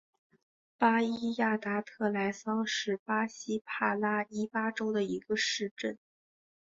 巴伊亚达特莱桑是巴西帕拉伊巴州的一个市镇。